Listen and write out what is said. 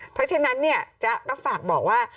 เพราะฉะนั้นเนี่ยจะต้องฝากบอกว่า